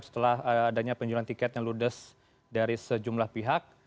misalkan satu jam setelah adanya penjualan tiket yang ludes dari sejumlah pihak